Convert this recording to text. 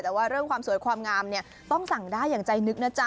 แต่ว่าเรื่องความสวยความงามเนี่ยต้องสั่งได้อย่างใจนึกนะจ๊